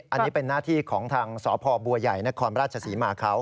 อันนี้เป็นหน้าที่ของทางสพบัวใหญ่นครราชศรีมาเขา